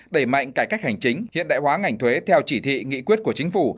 đẩy mạnh cải cách hành chính hiện đại hóa ngành thuế theo chỉ thị nghị quyết của chính phủ